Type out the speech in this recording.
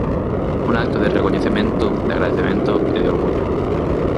"Un acto de recoñecemento, de agradecemento e de orgullo".